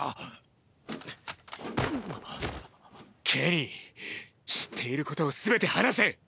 ケニー知っていることをすべて話せ！